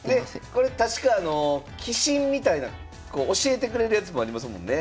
これ確か棋神みたいなこう教えてくれるやつもありますもんね。